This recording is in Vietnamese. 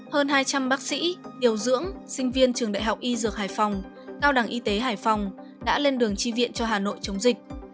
hơn hai trăm linh bác sĩ điều dưỡng sinh viên trường đại học y dược hải phòng cao đẳng y tế hải phòng đã lên đường tri viện cho hà nội chống dịch